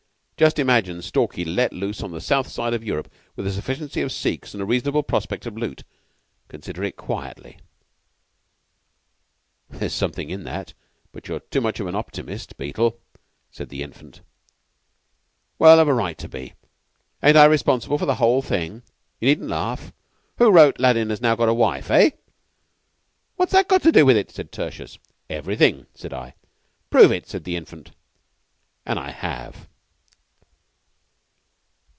Just imagine Stalky let loose on the south side of Europe with a sufficiency of Sikhs and a reasonable prospect of loot. Consider it quietly." "There's something in that, but you're too much of an optimist, Beetle," said the Infant. "Well, I've a right to be. Ain't I responsible for the whole thing? You needn't laugh. Who wrote 'Aladdin now has got his wife' eh?" "What's that got to do with it?" said Tertius. "Everything," said I. "Prove it," said the Infant. And I have.